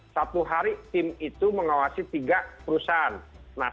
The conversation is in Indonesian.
satu hari tim itu mengawasi tiga perusahaan